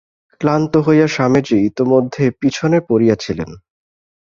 ক্লান্ত হইয়া স্বামীজী ইতোমধ্যে পিছনে পড়িয়াছিলেন।